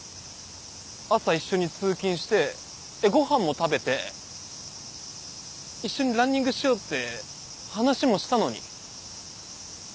朝一緒に通勤してごはんも食べて一緒にランニングしようって話もしたのに。